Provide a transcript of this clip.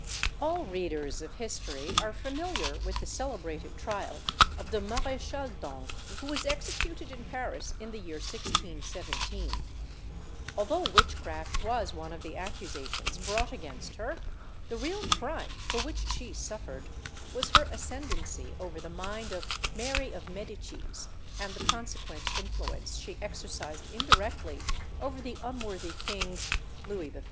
All readers of history are familiar with the celebrated trial of the Maréchale d'Ancre, who was executed in Paris in the year 1617. Although witchcraft was one of the accusations brought against her, the real crime for which she suffered was her ascendency over the mind of Mary of Medicis, and the consequent influence she exercised indirectly over the unworthy king, Louis XIII.